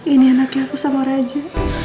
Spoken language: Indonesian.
ini anaknya aku sama raja